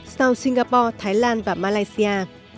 sau singapore thái lan và malaysia